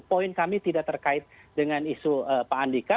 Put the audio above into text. poin kami tidak terkait dengan isu pak andika